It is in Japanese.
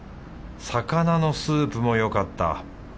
魚のスープもよかった。